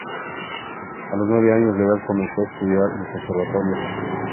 A los nueve años de edad comenzó a estudiar en el conservatorio.